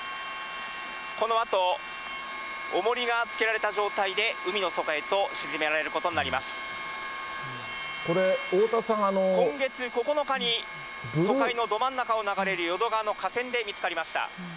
このあとおもりがつけられた状態で海の底へと沈められることになこれ、今月９日に、都会のど真ん中を流れる淀川の河川で見つかりました。